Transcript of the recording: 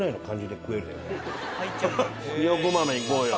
ひよこ豆いこうよ。